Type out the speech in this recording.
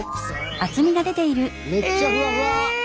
めっちゃふわふわ！